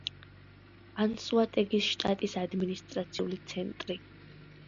ანსოატეგის შტატის ადმინისტრაციული ცენტრი.